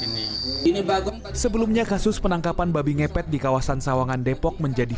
ini ini bagong sebelumnya kasus penangkapan babi ngepet di kawasan sawangan depok menjadi